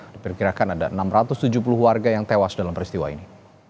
diperkirakan ada enam ratus tujuh puluh warga yang tewas dalam peristiwa ini